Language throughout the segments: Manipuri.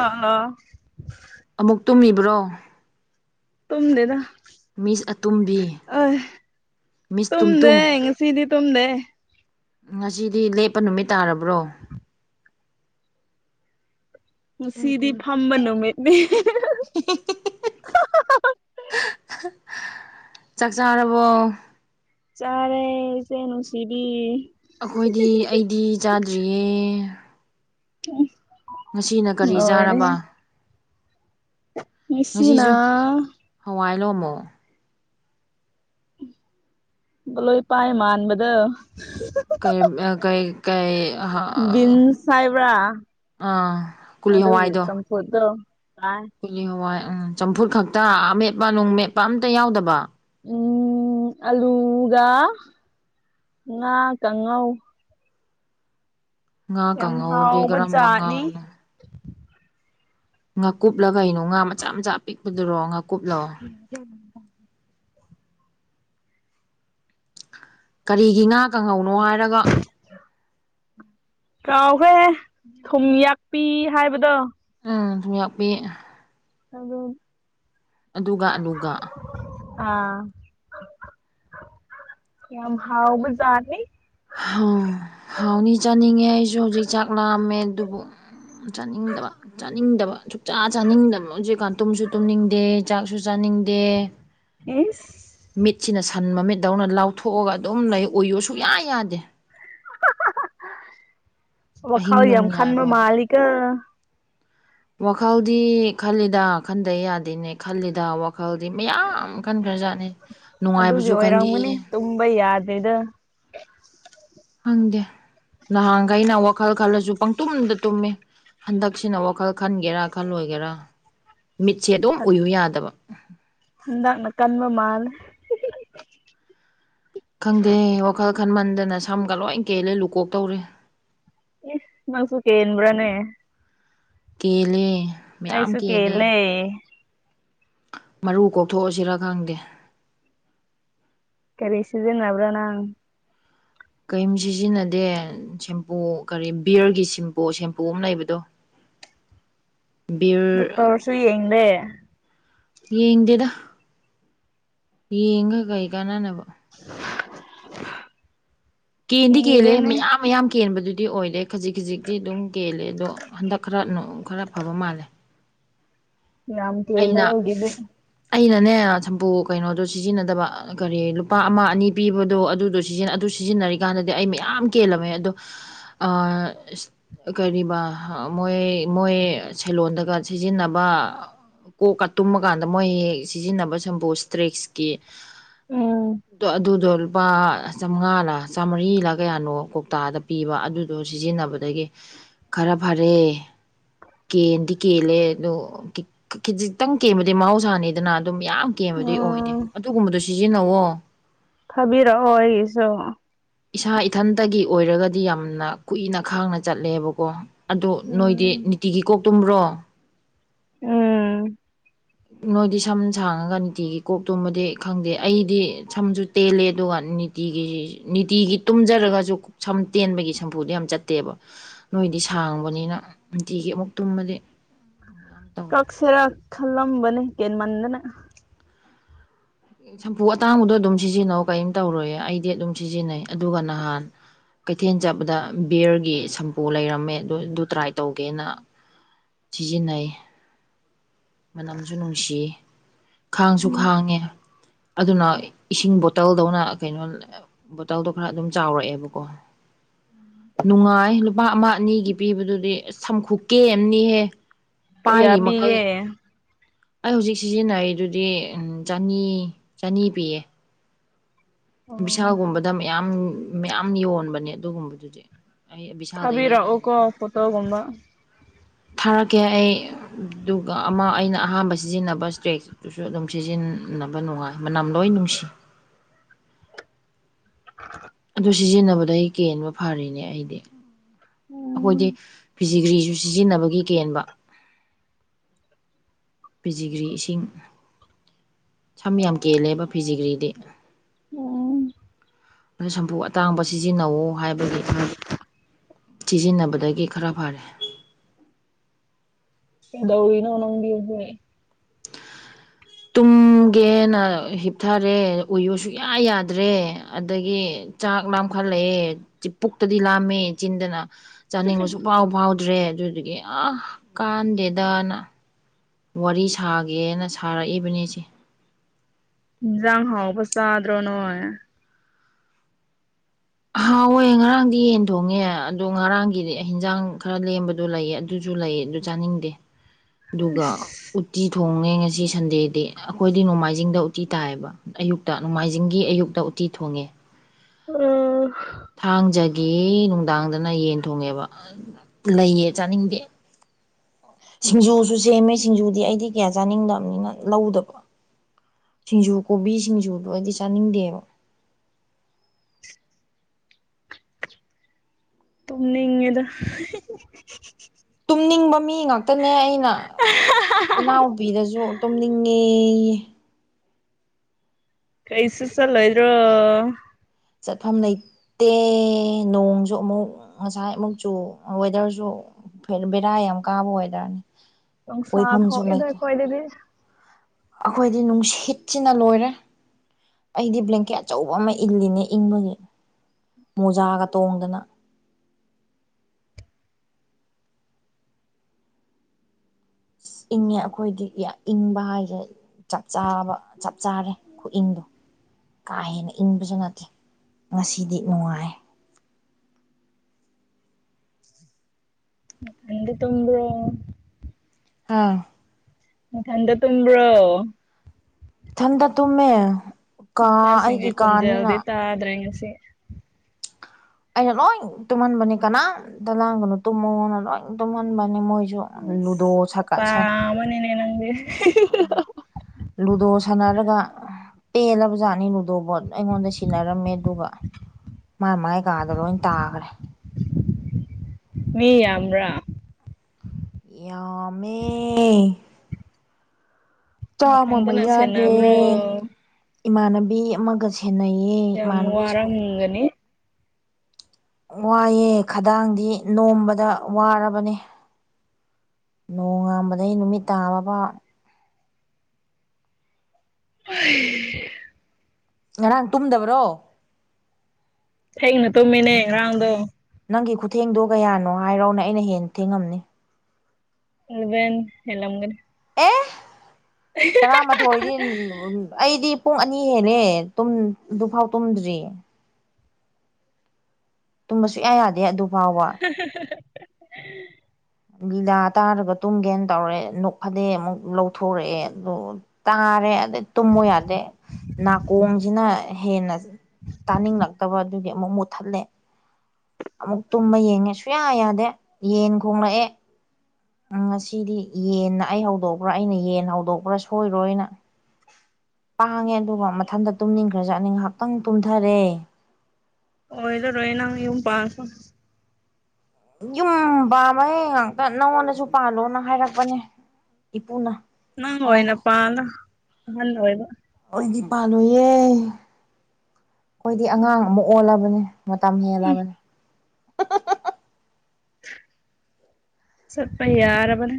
ꯑꯥ ꯑꯥ ꯑꯃꯨꯛ ꯇꯨꯝꯃꯤꯕ꯭ꯔꯣ ꯇꯨꯝꯗꯦꯗ ꯃꯤꯁ ꯑꯇꯨꯝꯕꯤ ꯑ ꯃꯤꯁ ꯇꯨꯝꯗꯦ ꯇꯨꯝꯇꯨꯝ ꯉꯁꯤꯗꯤ ꯇꯨꯝꯗꯦ ꯉꯁꯤꯗꯤ ꯂꯦꯞꯄ ꯅꯨꯃꯤꯠ ꯇꯥꯔꯕ꯭ꯔꯣ ꯉꯁꯤꯗꯤ ꯐꯝꯕ ꯅꯨꯃꯤꯠꯅꯤ ꯆꯥꯛ ꯆꯔꯕꯣ ꯆꯥꯔꯦ ꯏꯆꯦ ꯅꯨꯡꯁꯤꯕꯤ ꯑꯩꯈꯣꯏꯗꯤ ꯑꯩꯗꯤ ꯆꯥꯗ꯭ꯔꯤꯌꯦ ꯑꯣ ꯉꯁꯤꯅ ꯀꯔꯤ ꯆꯥꯔꯕ ꯉꯁꯤꯅ ꯉꯁꯤꯁꯨ ꯍꯋꯥꯏ ꯂꯣꯝꯃꯣ ꯂꯣꯏ ꯄꯥꯏ ꯃꯥꯟꯕꯗꯣ ꯀꯩ ꯀꯩ ꯀꯩ ꯕꯤꯟ ꯑꯥ ꯁꯥꯏꯕ꯭ꯔꯥ ꯀꯨꯂꯤ ꯑꯗꯨꯒꯤ ꯍꯋꯥꯏꯗꯣ ꯆꯝꯐꯨꯠꯇꯣ ꯆꯥꯏ ꯀꯨꯂꯤ ꯍꯋꯥꯏ ꯎꯝ ꯆꯝꯐꯨꯠ ꯈꯛꯇ ꯑꯃꯦꯠꯄ ꯅꯨꯡ ꯃꯦꯠꯄ ꯑꯝꯇ ꯌꯥꯎꯗꯕ ꯎꯝ ꯑꯂꯨꯒ ꯉꯥꯒ ꯉꯧ ꯉꯥ ꯌꯥꯝ ꯍꯥꯥꯎ ꯀꯥꯡꯉꯧꯗꯤ ꯀꯔꯝꯕ ꯍꯥꯎꯕꯖꯥꯠꯅꯤ ꯉꯥꯅꯣ ꯉꯥꯀꯨꯞꯂ ꯀꯩꯅꯣ ꯉꯥ ꯃꯆꯥ ꯃꯆꯥ ꯄꯤꯛꯄꯗꯨꯔꯣ ꯉꯥꯀꯨꯞꯂꯣ ꯀꯔꯤꯒꯤ ꯉꯥ ꯀꯪꯍꯧꯅꯣ ꯍꯥꯏꯔꯒ ꯀꯥꯎꯍꯦ ꯊꯨꯝ ꯌꯥꯛꯄꯤ ꯍꯥꯏꯕꯗꯣ ꯎꯝ ꯊꯨꯝ ꯌꯥꯛꯄꯤ ꯇꯥꯕ꯭ꯔꯣ ꯑꯗꯨꯒ ꯑꯂꯨꯒ ꯑꯥ ꯌꯥꯝ ꯍꯥꯎꯕꯨꯖꯥꯅꯤ ꯑꯥꯎ ꯍꯥꯎꯅꯤ ꯆꯥꯅꯤꯡꯉꯦ ꯑꯩꯁꯨ ꯍꯧꯖꯤꯛ ꯆꯥꯛ ꯂꯥꯝꯃꯦ ꯑꯗꯨꯕꯨ ꯆꯥꯅꯤꯡꯗꯕ ꯆꯥꯅꯤꯡꯗꯕ ꯁꯨꯛꯆꯥ ꯆꯥꯅꯤꯡꯗꯕ ꯍꯧꯖꯤꯛꯀꯥꯟ ꯇꯨꯝꯁꯨ ꯇꯨꯝꯅꯤꯡꯗꯦ ꯆꯥꯛꯁꯨ ꯆꯥꯅꯤꯡꯗꯦ ꯏꯁ ꯃꯤꯠꯁꯤꯅ ꯁꯟ ꯃꯃꯤꯠ ꯗꯧꯅ ꯂꯥꯎꯊꯣꯛꯑꯒ ꯑꯗꯨꯝ ꯂꯩ ꯎꯌꯣꯁꯨꯛ ꯌꯥ ꯌꯥꯗꯦ ꯋꯥꯈꯜ ꯑꯍꯤꯡ ꯌꯥꯝ ꯅꯨꯡ ꯈꯥꯟꯕ ꯌꯥꯏꯕꯕ ꯃꯥꯜꯂꯤꯀꯣ ꯋꯥꯈꯜꯗꯤ ꯈꯜꯂꯤꯗ ꯈꯟꯗ ꯌꯥꯗꯦꯅꯦ ꯈꯜꯂꯤꯗ ꯋꯥ ꯈꯜꯗꯤ ꯃꯌꯥꯝ ꯈꯟꯈ꯭ꯔꯖꯥꯠꯅꯤ ꯑꯗꯨꯒꯤ ꯅꯨꯡꯉꯥꯏꯕꯁꯨ ꯈꯜꯂꯤ ꯑꯣꯏꯔꯝꯒꯅꯤ ꯇꯨꯝꯕ ꯌꯥꯗ꯭ꯔꯤꯗ ꯈꯪꯗꯦ ꯅꯍꯥꯟꯈꯩꯅ ꯋꯥꯈꯜ ꯈꯜꯂꯁꯨ ꯄꯪꯇꯨꯝꯗ ꯇꯨꯝꯃꯤ ꯍꯟꯗꯛꯁꯤꯅ ꯋꯥꯈꯜ ꯈꯟꯒꯦꯔꯥ ꯈꯜꯂꯣꯏꯒꯦꯔꯥ ꯃꯤꯠꯁꯦ ꯑꯗꯨꯝ ꯎꯏꯌꯨ ꯌꯥꯗꯕ ꯍꯟꯗꯛꯅ ꯀꯟꯕ ꯃꯥꯜꯂꯦ ꯈꯪꯗꯦ ꯋꯥꯈꯜ ꯈꯟꯃꯟꯗꯅ ꯁꯝꯒ ꯂꯣꯏ ꯀꯦꯜꯂꯦ ꯂꯨꯀꯣꯛ ꯇꯧꯔꯦ ꯏꯍ ꯅꯪꯁꯨꯨ ꯀꯦꯟꯕ꯭ꯔꯥꯅꯦ ꯀꯦꯜꯂꯦ ꯃꯌꯥꯝ ꯀꯦꯜꯂꯦ ꯃꯔꯨ ꯀꯣꯛꯊꯣꯛꯑꯁꯤꯔ ꯈꯪꯗꯦ ꯀꯔꯤꯁꯤꯗ ꯅꯕ꯭ꯔ ꯅꯪ ꯀꯔꯤꯝ ꯁꯤꯖꯤꯟꯅꯗꯦ ꯁꯦꯝꯄꯨ ꯀꯔꯤ ꯕꯤꯌꯔꯒꯤ ꯁꯦꯝꯄꯨ ꯁꯦꯝꯄꯨ ꯑꯃ ꯂꯩꯕꯗꯣ [inaudible] ꯕꯤꯌꯔ ꯗꯣꯛꯇꯔꯁꯨ ꯌꯦꯡꯗꯦ ꯌꯦꯡꯗꯦꯗ ꯌꯦꯡꯒ ꯀꯩ ꯀꯥꯟꯅꯅꯕ [inaudible] ꯀꯦꯟꯗꯤ ꯀꯦꯜꯂꯤꯍꯦ ꯀꯤꯔꯦꯅꯦ ꯃꯌꯥꯝ ꯃꯌꯥꯝ ꯀꯦꯟꯕꯗꯨꯗꯤ ꯑꯣꯏꯔꯦ ꯈꯖꯤꯛ ꯈꯖꯤꯛꯇꯤ ꯑꯗꯨꯝ ꯀꯦꯜꯂꯦ ꯑꯗꯣ ꯍꯟꯗꯛ ꯈꯔ ꯈꯔ ꯐꯕ ꯃꯥꯜꯂꯦ ꯌꯥꯝ ꯀꯦꯜꯂꯦ ꯑꯩꯅ ꯑꯩꯒꯤꯗꯤ ꯑꯩꯅꯅꯦ ꯁꯝꯄꯨ ꯀꯩꯅꯣꯗꯣ ꯁꯤꯖꯤꯟꯅꯗꯕ ꯀꯔꯤ ꯂꯨꯄꯥ ꯑꯃ ꯑꯅꯤ ꯄꯤꯕꯗꯣ ꯑꯗꯨꯗꯣ ꯁꯤꯖꯤꯟꯅ ꯑꯗꯨ ꯁꯤꯖꯤꯟꯅꯔꯤꯀꯥꯟꯗꯗꯤ ꯑꯩ ꯃꯌꯥꯝ ꯀꯦꯜꯂꯝꯃꯦ ꯑꯗꯣ ꯑꯥ ꯀꯔꯤꯕ ꯃꯣꯏ ꯃꯣꯏ ꯁꯦꯜꯂꯣꯟꯗꯒ ꯁꯤꯖꯤꯟꯅꯕ ꯀꯣꯛꯀ ꯇꯨꯝꯃ ꯀꯥꯟꯗ ꯃꯣꯏ ꯍꯦꯛ ꯁꯤꯖꯤꯟꯅꯕ ꯁꯝꯄꯨ ꯁꯇ꯭ꯔꯦꯛꯁꯀꯤ ꯎꯝ ꯗꯣ ꯑꯗꯨ ꯑꯗꯣ ꯂꯨꯄꯥ ꯆꯥꯝꯃꯉꯥꯂ ꯆꯥꯝꯃꯔꯤꯂ ꯀꯌꯥꯅꯣ ꯀꯣꯛꯇꯥꯗ ꯄꯤꯕ ꯑꯗꯨꯗꯣ ꯁꯤꯖꯤꯟꯅꯕꯗꯒꯤ ꯈꯔ ꯐꯔꯦ ꯀꯦꯟꯗꯤ ꯀꯦꯜꯂꯦ ꯑꯗꯣ ꯈꯤꯖꯤꯛꯇꯪ ꯀꯦꯝꯕꯗꯤ ꯃꯍꯧꯁꯥꯅꯤꯗꯅ ꯑꯗꯨꯝ ꯌꯥꯝ ꯀꯦꯝꯕꯗꯤ ꯑꯣꯏꯗꯦ ꯎꯝ ꯑꯗꯨꯒꯨꯝꯕꯗꯨ ꯁꯤꯖꯤꯟꯅꯧꯑꯣ ꯊꯥꯕꯤꯔꯛꯑꯣ ꯑꯩꯒꯤꯁꯨ ꯏꯁꯥ ꯏꯊꯟꯇꯒꯤ ꯑꯣꯏꯔꯒꯗꯤ ꯌꯥꯝꯅ ꯀꯨꯏꯅ ꯈꯥꯡꯅ ꯆꯠꯂꯦꯕꯀꯣ ꯑꯗꯨꯗ ꯅꯣꯏꯗꯤ ꯎꯝ ꯅꯨꯡꯇꯤꯒꯤ ꯀꯣꯛ ꯇꯨꯝꯕ꯭ꯔꯣ ꯎꯝ ꯅꯣꯏꯗꯤ ꯁꯝ ꯁꯥꯡꯉꯒ ꯅꯤꯇꯤꯒꯤ ꯀꯣꯛꯇꯨꯝꯕꯗꯤ ꯈꯪꯗꯦ ꯑꯩꯗꯤ ꯁꯝꯁꯨ ꯇꯦꯜꯂꯦ ꯑꯗꯨꯒ ꯅꯨꯡꯇꯤꯒꯤ ꯅꯤꯇꯤꯒꯤ ꯇꯨꯝꯖꯔꯒꯁꯨ ꯁꯝ ꯇꯦꯟꯕꯒꯤ ꯁꯝꯄꯨꯗꯣ ꯌꯥꯝ ꯆꯠꯇꯦꯕ ꯑꯩꯈꯣꯏꯗꯤ ꯁꯥꯡꯕꯅꯤꯅ ꯅꯨꯡꯇꯤꯒꯤ ꯑꯃꯨꯛ ꯇꯨꯝꯕꯗꯤ ꯀꯁꯔ ꯈꯜꯂꯝꯝꯝꯕꯅꯤ ꯀꯦꯟꯃꯟꯗꯅꯥ ꯁꯝꯄꯨ ꯑꯇꯥꯡꯕꯗꯣ ꯑꯗꯨꯝ ꯁꯤꯖꯤꯟꯅꯧ ꯀꯔꯤꯝ ꯇꯧꯔꯣꯏꯌꯦ ꯑꯩꯗꯤ ꯑꯗꯨꯝ ꯁꯤꯖꯤꯟꯅꯩ ꯑꯗꯨꯒ ꯅꯍꯥꯟ ꯀꯩꯊꯦꯜ ꯆꯠꯄꯗ ꯕꯤꯌꯔꯒꯤ ꯁꯝꯄꯨ ꯂꯩꯔꯝꯃꯦ ꯑꯗꯨ ꯑꯗꯨ ꯇ꯭ꯔꯥꯏ ꯇꯧꯒꯦꯅ ꯁꯤꯖꯤꯟꯅꯩ ꯃꯅꯝꯁꯨ ꯅꯨꯡꯁꯤ ꯈꯥꯡꯁꯨ ꯈꯥꯡꯉꯦ ꯑꯗꯨꯅ ꯏꯁꯤꯡ ꯕꯣꯇꯜꯗꯧꯅ ꯀꯩꯅꯣ ꯕꯣꯇꯜꯗꯣ ꯈꯔ ꯑꯗꯨꯝ ꯆꯥꯎꯔꯛꯑꯦꯕꯀꯣ ꯅꯨꯡꯉꯥꯏ ꯂꯨꯄꯥ ꯑꯃ ꯑꯅꯤꯒꯤ ꯄꯤꯕꯗꯨꯗꯤ ꯁꯝ ꯈꯨꯀꯦꯟ ꯑꯃꯅꯤꯍꯦ ꯀꯩꯌꯥ ꯄꯥꯏꯔꯤ ꯃꯈꯩ ꯄꯤꯒꯦ ꯑꯩ ꯍꯧꯖꯤꯛ ꯁꯤꯖꯤꯟꯅꯔꯤꯗꯨꯗꯤ ꯆꯅꯤ ꯆꯅꯤ ꯄꯤꯌꯦ ꯑꯣ ꯕꯤꯁꯥꯜ ꯒꯨꯝꯕꯗ ꯃꯌꯥꯝ ꯃꯌꯥꯝ ꯌꯣꯟꯕꯅꯦ ꯑꯗꯨꯒꯨꯝꯕꯗꯨꯗꯤ ꯑꯩ ꯕꯤꯚꯤꯁꯥꯜꯗꯩ ꯂꯩꯔꯛꯏꯅꯦ ꯊꯥꯕꯤꯔꯛꯑꯣꯀꯣ ꯐꯣꯇꯣꯒꯨꯝꯕ ꯊꯥꯔꯛꯀꯦ ꯑꯩ ꯑꯗꯨꯒ ꯑꯃ ꯑꯩꯅ ꯑꯍꯥꯟꯕ ꯁꯤꯖꯤꯟꯅꯕ ꯏꯁꯇ꯭ꯔꯦꯛꯁꯇꯨꯁꯨ ꯑꯗꯨꯝ ꯁꯤꯖꯤꯟꯅꯩ ꯅꯕ ꯅꯨꯡꯉꯥꯏ ꯝꯅꯥꯝ ꯂꯣꯏ ꯅꯨꯡꯁꯤ ꯑꯗꯨ ꯁꯤꯖꯤꯟꯅꯕꯗ ꯑꯩ ꯀꯦꯟꯕ ꯐꯔꯤꯅꯦ ꯑꯩꯗꯤ ꯎꯝ ꯑꯩꯈꯣꯏꯗꯤ ꯐꯤꯖꯤꯒ꯭ꯔꯤꯁꯨ ꯁꯤꯖꯤꯟꯅꯕꯒꯤ ꯀꯦꯟꯕ ꯐꯤꯖꯤꯒ꯭ꯔꯤ ꯏꯁꯤꯡ ꯁꯝ ꯌꯥꯝ ꯀꯦꯜꯂꯦꯕ ꯐꯤꯖꯤꯒ꯭ꯔꯤꯗꯤ ꯎꯝ ꯑꯗꯨ ꯁꯝꯄꯨ ꯑꯇꯥꯡꯕꯁꯤ ꯁꯤꯖꯤꯟꯅꯧ ꯍꯥꯏꯕꯒꯤ ꯁꯤꯖꯤꯟꯅꯕꯗꯒꯤ ꯈꯔ ꯐꯔꯦ ꯀꯩꯗꯧꯔꯤꯅꯣ ꯅꯪꯗꯤ ꯇꯨꯝ ꯒꯦꯅ ꯍꯤꯞꯊꯔꯦ ꯎꯌꯨꯁꯨꯌꯥ ꯌꯥꯗ꯭ꯔꯦ ꯑꯗꯒꯤ ꯆꯥꯛ ꯂꯝꯈꯠ ꯈꯜꯂꯛꯑꯦ ꯄꯨꯛꯇꯗꯤ ꯂꯥꯝꯃꯦ ꯆꯤꯟꯗꯅ ꯆꯥꯅꯤꯡꯕꯁꯨ ꯁꯨꯛꯐꯥꯎ ꯐꯥꯎꯗ꯭ꯔꯦ ꯑꯗꯨꯗꯨꯗꯒꯤ ꯑ ꯀꯥꯟꯗꯦꯗꯅ ꯋꯥꯔꯤ ꯁꯥꯒꯦꯅ ꯁꯥꯔꯛꯏꯕꯅꯤꯁꯦ ꯏꯟꯖꯡ ꯍꯥꯎꯕ ꯆꯥꯗ꯭ꯔꯣ ꯅꯣꯏ ꯍ ꯍꯥꯎꯋꯦ ꯉꯔꯥꯡꯗꯤ ꯌꯦꯟ ꯊꯣꯡꯉꯦ ꯑꯗꯣ ꯉꯔꯥꯡꯒꯤꯗꯤ ꯍꯟꯖꯥꯡ ꯈꯔ ꯂꯦꯝꯕꯗꯣ ꯂꯩ ꯑꯗꯨꯁꯨ ꯂꯩ ꯆꯥꯅꯤꯪꯗꯦ ꯑꯗꯨꯒ ꯎꯇꯤ ꯉꯁꯤ ꯁꯟꯗꯦꯗꯤ ꯑꯩꯈꯣꯏꯗꯤ ꯅꯣꯡꯃꯥꯏꯖꯤꯡꯗ ꯎꯇꯤ ꯇꯥꯏꯌꯦꯕ ꯑꯌꯨꯛꯇ ꯅꯣꯡꯃꯥꯏꯖꯤꯡꯒꯤ ꯑꯌꯨꯛꯇ ꯎꯇꯤ ꯊꯣꯡꯉ ꯊꯣꯡꯉꯦ ꯎꯝ ꯊꯥꯡꯖꯒꯤ ꯅꯨꯡꯗꯥꯡꯗꯅ ꯌꯦꯟ ꯊꯣꯡꯉꯦꯕ ꯂꯩꯌꯦ ꯆꯥꯅꯤꯡꯗꯦ [inaudible] ꯁꯤꯡꯖꯨꯁꯨ ꯁꯦꯝꯃꯦ ꯁꯤꯡꯖꯨꯗꯤ ꯑꯩꯗꯤ ꯀꯌꯥ ꯆꯥꯅꯤꯡꯗꯕꯅꯤꯅ ꯂꯧꯗꯕ ꯁꯤꯡꯖꯨ ꯀꯣꯕꯤ ꯁꯤꯡꯖꯨꯗꯣ ꯑꯩꯗꯤ ꯆꯥꯅꯤꯡꯗꯦꯕ ꯇꯨꯝꯅꯤꯡꯉꯦꯗꯥ ꯇꯨꯝꯅꯤꯡꯕ ꯃꯤ ꯉꯥꯛꯇꯅꯦ ꯑꯩꯅ ꯏꯅꯥꯎꯄꯤꯗꯁꯨ ꯇꯨꯝꯅꯤꯡꯉꯤ ꯍꯌꯦ ꯀꯩꯁꯁꯂ ꯏ꯭ꯔꯣ [unintelligible] ꯆꯠꯐꯝ ꯂꯩꯇꯦ ꯅꯣꯡꯁꯨ ꯑꯃꯨꯛ ꯉꯁꯥꯏ ꯑꯃꯨꯛꯁꯨ ꯋꯦꯗꯔꯁꯨ ꯐꯔ ꯕꯦꯔ ꯌꯥꯝ ꯑꯃ ꯀꯥꯕ ꯑꯣꯏꯗꯅꯤ ꯅꯣꯡꯁꯥ ꯊꯣꯛꯏꯗ ꯑꯩꯈꯣꯌꯗꯗꯤ ꯑꯩꯈꯣꯏꯗꯤ ꯅꯨꯡꯁꯤꯠꯁꯤꯅ ꯂꯣꯏꯔꯦ ꯑꯩꯗꯤ ꯕ꯭ꯂꯦꯡꯀꯦꯠ ꯑꯆꯧꯕ ꯑꯃ ꯏꯜꯂꯤꯅꯦ ꯏꯪꯕꯒꯤ ꯃꯣꯖꯥꯒ ꯇꯣꯡꯗꯨꯅ ꯑ ꯏꯪꯉꯦ ꯑꯩꯈꯣꯏꯗꯤ ꯏꯪꯕ ꯍꯥꯏꯁ꯭ꯔꯦ ꯆꯞ ꯆꯥꯕ ꯆꯞ ꯆꯥꯔꯦ ꯈꯨꯏꯟꯗꯣ ꯀꯥ ꯍꯦꯟꯅ ꯏꯟꯕꯁꯨ ꯅꯠꯇꯦ ꯉꯁꯤꯗꯤ ꯅꯨꯡꯉꯥꯏ ꯃ ꯍꯗ ꯇꯝꯕ꯭ꯔꯣ ꯑꯥ ꯊꯟꯗ ꯇꯝꯕ꯭ꯔꯣ ꯊꯟꯗ ꯇꯃꯦ ꯏꯄꯥꯁꯤ ꯄꯨꯖꯦꯜꯗꯤ ꯇꯥꯗꯔꯉꯁꯤꯦ ꯑꯩꯅ ꯂꯣꯏ ꯇꯨꯝꯍꯟꯕꯅꯤ ꯀꯅꯥ ꯗ ꯂꯥꯡꯒꯅꯣ ꯇꯨꯝꯃꯣꯅ ꯂꯣꯏ ꯇꯨꯝꯍꯟꯕꯅꯤ ꯃꯣꯏꯁ ꯂꯨꯗꯣ ꯏꯁ ꯁꯀ ꯅꯨꯄꯥ ꯑꯃꯅꯤꯅꯦ ꯅꯪꯗꯤ ꯂꯨꯗꯣ ꯁꯥꯟꯅꯔꯒ ꯄꯦꯜꯂꯕ ꯖꯥꯠꯅꯤ ꯂꯨꯗꯕꯣꯠ ꯑꯩꯉꯣꯟꯗ ꯁꯤꯟꯅꯔꯝꯃꯦ ꯑꯗꯨꯒ ꯃꯥꯥꯏ ꯃꯥꯏ ꯀꯥꯗ ꯂꯣꯏ ꯇꯥꯈ꯭ꯔꯦ ꯃꯤ ꯑꯃꯔ ꯌꯥꯃꯦ ꯆꯥꯃ ꯃ ꯅꯊꯟꯇꯅ ꯌꯥꯅꯦ ꯁꯦꯟꯅꯕ꯭ꯔꯣ ꯏꯃꯥꯟꯅꯕꯤ ꯑꯃꯒꯁꯦ ꯅꯌꯦ ꯌꯥꯝ ꯃꯥꯅꯕꯤꯁꯨꯨ ꯋꯥꯔꯝꯒꯅꯤ ꯋꯥꯏꯑꯦ ꯈꯗꯥꯡꯗꯤ ꯅꯣꯝꯕꯗ ꯋꯥꯔꯕꯅꯦ ꯅꯣꯡ ꯉꯝꯕꯗꯒꯤꯩ ꯅꯨꯃꯤꯠ ꯇꯥꯕꯕ ꯍ ꯉꯔꯥꯡ ꯇꯨꯝꯗꯕ꯭ꯔꯣ ꯍꯦꯒꯅ ꯇꯨꯝꯃꯅꯦ ꯔꯥꯎꯗꯨꯣ ꯅꯪꯒꯤ ꯈꯨꯊꯦꯡꯗꯣ ꯀꯌꯥꯅꯣ ꯍꯥꯏꯔꯣꯅ ꯑꯩꯅ ꯍꯦꯟꯅ ꯊꯦꯡꯉꯝꯅꯤ ꯏꯜꯕꯦꯟ ꯏꯂ ꯃꯒꯔꯤ ꯑꯦ ꯇꯔꯥꯃꯥꯊꯣꯏꯗꯤ ꯎ ꯑꯩꯗꯤ ꯄꯨꯡ ꯑꯅꯤ ꯍꯦꯜꯂꯦ ꯑꯗꯨꯐꯥꯎ ꯇꯨꯝꯗ꯭ꯔꯤ ꯇꯨꯝꯕꯁꯨꯌꯥ ꯌꯥꯗꯦ ꯑꯗꯨ ꯐꯥꯎꯕ [unintelligible] ꯂꯤꯂꯥ ꯇꯥꯔꯒ ꯇꯨꯝꯒꯦꯅ ꯇꯧꯔꯛꯑꯦ ꯣꯛ ꯐꯗꯤꯩ ꯑꯃꯨꯛ ꯂꯧꯊꯣꯔꯛꯑꯦ ꯑꯗꯨ ꯇꯥꯔꯦ ꯇꯨꯝꯃ ꯌꯥꯗꯦ ꯅꯥꯀꯣꯡꯁꯤꯅ ꯍꯦꯟꯅ ꯇꯥꯅꯤꯡꯂꯛꯇꯕ ꯑꯗꯨꯒꯤ ꯑꯃꯨꯛ ꯃꯨꯠꯊꯠꯂꯦ ꯑꯃꯨꯛ ꯇꯨꯝꯕ ꯌꯦꯡꯉꯦ ꯁꯨꯡꯌꯥ ꯌꯥꯗꯦ ꯌꯦꯟ ꯈꯣꯡꯂꯛꯑꯦ ꯉꯁꯤꯗꯤ ꯌꯦꯟꯅ ꯑꯩ ꯍꯧꯗꯣꯛꯄ꯭ꯔꯥ ꯑꯩꯅ ꯌꯦꯟ ꯍꯧꯗꯣꯛꯄ꯭ꯔꯥ ꯁꯣꯏꯔꯣꯏꯅ ꯄꯥꯡꯉꯦ ꯑꯗꯨꯒ ꯃꯊꯟꯇ ꯇꯨꯝꯅꯤꯡꯈ꯭ꯔ ꯆꯠꯅꯤ ꯉꯥꯏꯍꯥꯛꯇꯪ ꯇꯨꯝꯊꯔꯦ ꯑꯣ ꯏꯗꯣ ꯔꯣꯍꯤꯅꯉꯨꯝ ꯄꯣ ꯌꯨꯝꯕꯕꯥ ꯃꯌꯦ ꯉꯥꯛꯇ ꯅꯉꯣꯟꯗꯁꯨ ꯄꯥꯜꯂꯣꯅ ꯍꯥꯏꯔꯛꯄꯅꯦ ꯏꯄꯨꯅ ꯅꯪ ꯄꯥꯜꯂꯣ ꯍꯣꯏꯅꯄꯥ ꯑꯗ ꯍ ꯍꯣꯏꯅ ꯑꯩꯗꯤ ꯄꯥꯜꯂꯣꯏꯌꯦꯦ ꯑꯩꯈꯣꯏꯗꯤ ꯑꯉꯥꯡ ꯑꯃ ꯑꯣꯜꯂꯕꯅꯦ ꯃ ꯇꯝ ꯎꯝ ꯍꯤꯂꯕꯅꯤ ꯆꯠꯄ ꯌꯥꯔ ꯃꯅꯦ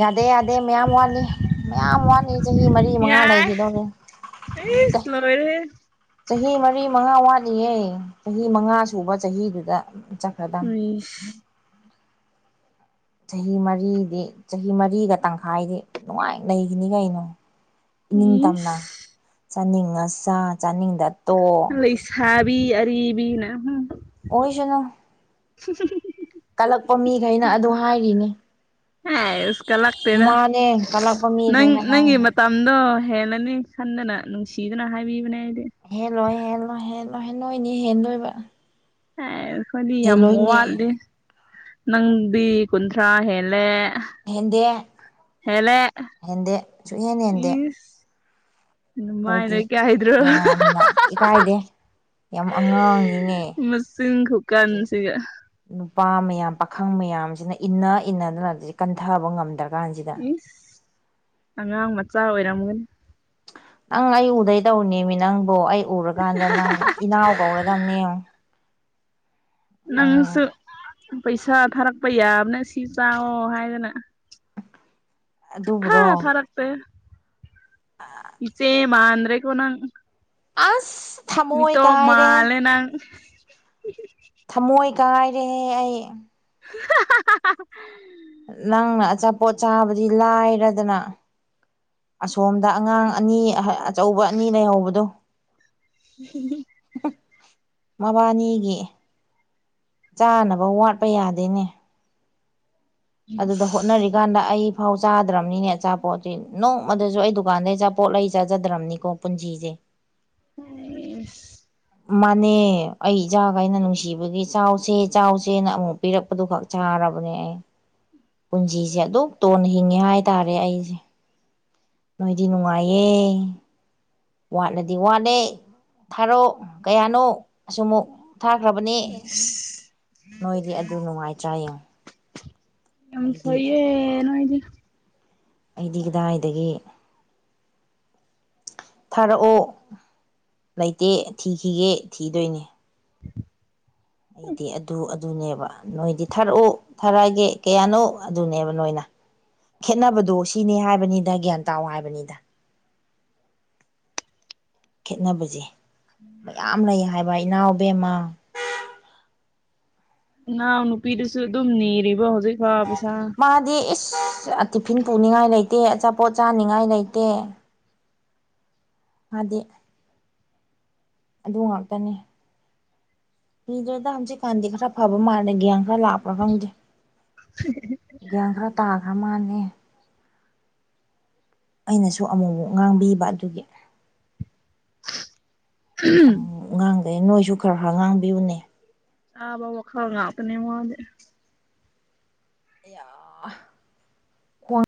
ꯌꯥꯗꯦ ꯌꯥꯗꯦ ꯃꯌꯥꯝ ꯋꯥꯠꯂꯤ ꯃꯌꯥꯝ ꯋꯥꯠꯂꯤ ꯆꯍꯤ ꯃꯔꯤ ꯃꯉꯥ ꯂꯩꯈꯤꯗꯧꯔꯦ ꯑꯦ ꯏꯁ ꯂꯣꯏꯔꯍꯦ ꯆꯍꯤ ꯃꯔꯤ ꯃꯉꯥ ꯋꯥꯠꯂꯤꯌꯦꯦ ꯆꯍꯤ ꯃꯉꯥ ꯁꯨꯕ ꯆꯍꯤꯗꯨꯗ ꯆꯠꯈ꯭ꯔꯗꯝꯕꯅꯤ ꯎꯝ ꯆꯍꯤ ꯃꯔꯤꯗꯤ ꯆꯍꯤ ꯃꯔꯤꯒ ꯇꯪꯈꯥꯏꯗꯤ ꯅꯨꯡꯉꯥꯏ ꯂꯩꯈꯤꯅꯤ ꯀꯩꯅꯣ ꯏꯅꯤꯡꯇꯝꯅ ꯏꯁ ꯆꯥꯅꯤꯡꯉ ꯆ ꯆꯥꯅꯤꯡꯗ ꯇꯣ ꯂꯩꯁꯥꯕꯤ ꯑꯔꯤꯕꯤꯅ ꯑꯣꯏꯁꯅꯨ [unintelligible] ꯀꯜꯂꯛꯄ ꯃꯤꯈꯩꯅ ꯑꯗꯨ ꯍꯥꯏꯔꯤꯅꯦ ꯍ ꯏꯁꯀꯂꯥꯛꯇꯦꯗ ꯀꯜꯂꯛꯄ ꯅꯪ ꯃꯤꯈꯩꯅ ꯅꯪꯒꯤ ꯍꯥꯏꯔꯤꯅꯤ ꯃꯝꯗꯣ ꯍꯦꯜꯂꯅꯤ ꯈꯟꯗꯅ ꯅꯨꯡꯁꯤꯗꯅ ꯍꯥꯏꯕꯤꯕꯅꯦ ꯍꯦ ꯂꯣꯏ ꯍꯦ ꯂꯣꯏ ꯍꯦ ꯂꯣꯏꯍꯦ ꯂꯣꯏꯅꯤ ꯍꯦꯟ ꯂꯣꯏꯕ꯭ꯔ ꯑꯦ ꯈꯗꯤ ꯌꯥꯝꯃ ꯋꯥꯠꯂꯦ ꯅꯪꯗꯤ ꯈꯨꯨꯟꯊ꯭ꯔꯥ ꯍꯦꯂꯦ ꯍꯦꯟꯗꯤ ꯍꯦꯂꯦ ꯁꯨꯛꯍꯦꯟ ꯍꯦꯟꯗꯦ ꯏꯁ ꯑꯗꯨꯃꯥꯏꯅ ꯑꯩꯈꯣꯏꯗꯤ ꯏꯀꯥꯏꯗ꯭ꯔꯣ ꯌꯥꯝꯅ ꯏꯀꯥꯏꯗꯦ ꯌꯥꯝ ꯑꯉꯥꯡꯉꯤꯅꯦ ꯃꯆꯤꯟ ꯈꯨꯀꯟꯁꯤꯒ ꯅꯨꯄꯥ ꯃꯌꯥꯝ ꯄꯥꯈꯪ ꯃꯌꯥꯝꯁꯤꯅ ꯏꯟꯅ ꯏꯟꯅꯗꯅꯁ ꯀꯟꯊꯕ ꯉꯝꯗ꯭ꯔꯀꯥꯟꯁꯤꯗ ꯏꯁ ꯑꯉꯥꯡ ꯃꯆꯥ ꯑꯣꯏꯔꯝꯒꯅꯤ ꯅꯪ ꯑꯩ ꯎꯗꯩ ꯇꯧꯅꯦꯃꯤ ꯅꯪꯕꯨꯣ ꯑꯩ ꯎꯔꯀꯥꯟꯗ ꯅꯪ ꯏꯅꯥꯎ ꯀꯧꯔꯗꯝꯅꯦ ꯅꯪ ꯅꯪꯁꯨ ꯄꯩꯁꯥ ꯊꯥꯔꯛꯄ ꯌꯥꯕ ꯅꯪ ꯁꯤ ꯆꯥꯛꯑꯣꯣ ꯍꯥꯏꯗꯅ ꯍꯥ ꯑꯗꯨꯕꯨꯔꯣ ꯊꯔꯥꯛꯄ ꯏꯆꯦ ꯃꯥꯗ꯭ꯔꯦ ꯀꯅꯥꯪ ꯑꯁ ꯊꯃꯣꯣꯏ ꯀꯥꯏ ꯔꯦ ꯃꯥꯜꯂꯦ ꯅꯪ ꯊꯝꯃꯣꯏ ꯀꯥꯏꯔꯦꯍꯦ ꯑꯩ [unintelligible] ꯅꯪꯅ ꯑꯆꯥꯄꯣꯠ ꯆꯥꯕꯗꯤ ꯂꯥꯏꯔꯗꯅ ꯑꯁꯣꯝꯗ ꯑꯉꯥꯡ ꯑꯅꯤ ꯑꯆꯧꯕ ꯑꯅꯤ ꯂꯩꯍꯧꯕꯗꯣ ꯎ ꯃꯕꯥꯅꯤꯒꯤ ꯆꯥꯅꯕ ꯋꯥꯠꯄ ꯌꯥꯗꯦꯅꯦ ꯑꯗꯨꯗ ꯍꯣꯠꯅꯔꯤꯀꯥꯟꯗ ꯑꯩ ꯑꯥꯎ ꯆꯥꯗ꯭ꯔꯕꯅꯤꯅꯦ ꯑꯆꯥꯄꯣꯠꯁꯤꯦ ꯅꯣꯡꯃꯗꯁꯨ ꯑꯩ ꯗꯨꯀꯥꯟꯗꯩ ꯑꯆꯥꯄꯣꯠ ꯂꯩ ꯆꯥꯖꯗ꯭ꯔꯕꯅꯤꯀꯣ ꯄꯨꯟꯁꯤꯁꯦ [unintelligible] ꯍ ꯃꯥꯟꯅ ꯑꯩ ꯏꯖꯆꯥꯒꯥꯏꯩꯅ ꯅꯨꯡꯁꯤꯕꯒꯤ ꯆꯥꯎꯁꯦ ꯆꯥꯎ ꯆꯦꯅ ꯑꯃꯨꯛ ꯄꯤꯔꯛꯄꯗꯨ ꯈꯛ ꯆꯥꯔꯕ ꯑꯩ ꯄꯨꯟꯁꯤꯁꯦ ꯑꯗꯨ ꯇꯣꯟ ꯍꯤꯡꯉꯦ ꯍꯥꯏꯇꯥꯔꯦ ꯑꯩꯁꯦ ꯅꯣꯏꯗꯤ ꯅꯨꯡꯉꯥꯏꯌꯦ ꯋꯥꯠꯂꯗꯤ ꯋꯥꯠꯂꯦ ꯊꯥꯔꯣ ꯀꯌꯥꯅꯣ ꯑꯃꯨꯛ ꯊꯥꯈ꯭ꯔꯕꯅꯦ ꯅꯣꯏꯗꯤ ꯑꯗꯨ ꯅꯨꯡꯉꯥꯏꯇ꯭ꯔꯥꯌꯦꯡꯉ ꯌꯥꯝ ꯁꯦ ꯅꯣꯏꯗꯤ ꯑꯩꯗꯤ ꯀꯗꯥꯏꯗꯒꯤ ꯊꯥꯔꯛꯑꯣ ꯂꯩꯇꯦ ꯊꯤꯈꯤꯒꯦ ꯊꯤꯗꯣꯏꯅꯦ ꯑꯩꯗꯤ ꯑꯗꯨ ꯑꯗꯨꯅꯦꯕ ꯅꯣꯏꯗꯤ ꯊꯥꯔꯛꯑꯣ ꯊꯔꯒꯤꯦ ꯀꯌꯥꯅꯣ ꯑꯗꯨꯅꯦꯕ ꯅꯣꯏꯅ ꯈꯦꯠꯅꯕꯗꯣ ꯁꯤꯅꯤ ꯍꯥꯏꯕꯅꯤꯗ ꯒ꯭ꯌꯥꯟ ꯇꯥ ꯍꯥꯏꯕꯅꯤꯗ ꯈꯦꯠꯅꯕꯁꯦ ꯃꯌꯥꯝ ꯂꯩ ꯍꯥꯏꯕ ꯏꯅꯥꯎꯕꯦꯝꯃ ꯏꯅꯥꯎ ꯅꯨꯄꯤꯗꯨꯁꯨ ꯑꯗꯨꯝ ꯅꯤꯔꯤꯕ ꯍꯧꯖꯤꯛ ꯐ ꯃꯥꯗꯤ ꯏꯁ ꯇꯤꯐꯤꯟ ꯄꯨꯅꯤꯡꯉꯥꯏ ꯂꯩꯇꯦ ꯑꯆꯥꯄꯣꯠ ꯆꯥꯅꯤꯡꯉꯥꯏ ꯂꯩꯇꯦ ꯑꯗꯦ ꯑꯗꯨ ꯉꯥꯛꯇꯅꯤ ꯃꯤꯗ꯭ꯔꯗ ꯍꯧꯞꯆꯤꯛꯀꯥꯟꯗꯤ ꯈꯔ ꯐꯕ ꯃꯥꯜꯂꯦ ꯒ꯭ꯌꯥꯟ ꯈꯔ ꯂꯥꯛꯄ꯭ꯔꯥ ꯈꯪꯗꯦ ꯒ꯭ꯌꯥꯟ ꯈ꯭ꯔꯥ ꯇꯥꯈ꯭ꯔ ꯃꯥꯜꯦ ꯑꯩꯅꯁꯨ ꯑꯃꯨꯛꯨꯛ ꯉꯥꯡꯕꯤꯕ ꯑꯗꯨꯒꯤ ꯑ ꯉꯥꯡꯗꯩꯦ ꯅꯣꯏꯁꯨ ꯈꯔ ꯈꯔ ꯉꯥꯡꯕꯤꯌꯨꯅꯦ ꯑꯥꯕ ꯋꯥ ꯈꯥꯒꯅꯤ ꯋꯥꯗꯦ ꯑ